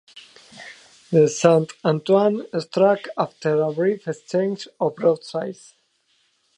The "Saint Antoine" struck after a brief exchange of broadsides.